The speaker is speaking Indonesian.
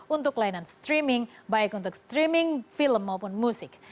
untuk layanan streaming baik untuk streaming film maupun musik